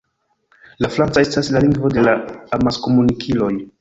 La franca estas la lingvo de la amaskomunikiloj.